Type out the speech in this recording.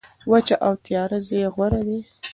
وچه او تیاره ځای غوره دی.